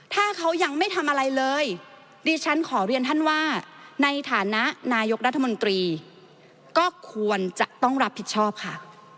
ถ้าเขายังไม่ทำอะไรเลยดิฉันขอเรียนท่านว่าในฐานะนายกรัฐมนตรีก็ควรจะต้องรับผิดชอบค่ะ